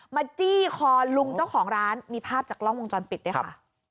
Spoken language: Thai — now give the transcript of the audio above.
จี้คอลุงเจ้าของร้านมีภาพจากกล้องวงจรปิดด้วยค่ะ